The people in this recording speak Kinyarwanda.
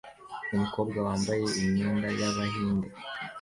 Umukobwa wambaye imyenda y'Abahinde